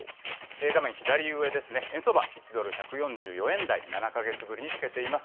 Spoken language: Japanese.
画面左上ですね、円相場、１ドル１４４円台、７か月ぶりにつけています。